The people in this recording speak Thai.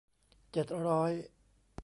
เจ็ดร้อย